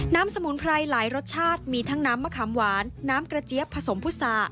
สมุนไพรหลายรสชาติมีทั้งน้ำมะขามหวานน้ำกระเจี๊ยบผสมพุษา